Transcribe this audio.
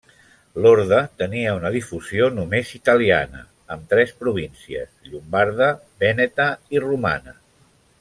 L'orde tenia una difusió només italiana, amb tres províncies: llombarda, vèneta i romana.